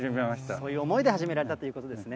そういう思いで始められたということですね。